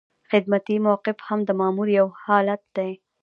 خدمتي موقف هم د مامور یو حالت دی.